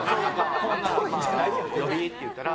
呼び、って言ったら。